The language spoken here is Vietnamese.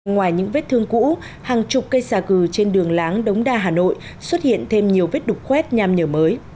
ngoài những vết thương cũ hàng chục cây xà cừ trên đường láng đống đa hà nội xuất hiện thêm nhiều vết đục khoét nham nhở mới